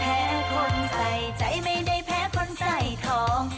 ทนใส่ใจไม่ได้แพ้คนใส่ทอง